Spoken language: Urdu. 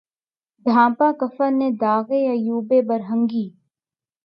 ڈھانپا کفن نے داغِ عیوبِ برہنگی